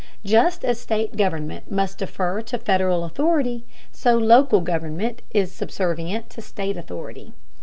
Just as state government must defer to Federal authority, so local government is subservient to state authority.